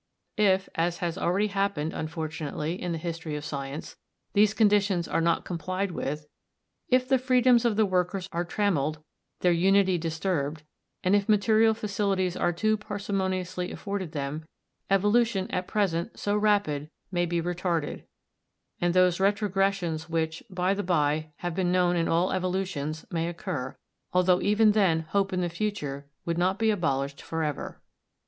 If, as has already happened, unfortunately, in the history of science, these conditions are not complied with; if the freedoms of the workers are trammelled, their unity disturbed, and if material facilities are too parsimoniously afforded them, evolution, at present so rapid, may be retarded, and those retrogressions which, by the by, have been known in all evolutions, may occur, although even then hope in the future would not be abolished for ever.